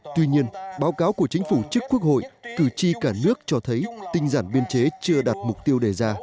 tuy nhiên báo cáo của chính phủ trước quốc hội cử tri cả nước cho thấy tinh giản biên chế chưa đạt mục tiêu đề ra